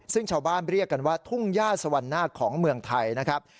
ซึ่งชาวบ้านเรียกกันว่าทุ่งย่าสวรรค์หน้าของเมืองไทยนะครับ